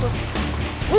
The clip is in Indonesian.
gue berani sih